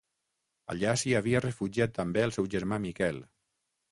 Allà s'hi havia refugiat també el seu germà Miquel.